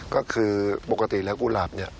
ก็คือปกติแล้วกุหลาบ